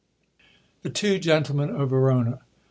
Thb Two Gentlbmbn op Vbrona.